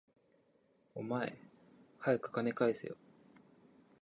お前、はやく金返せよ